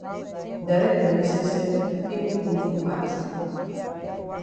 Director yi sef sef take we go for party.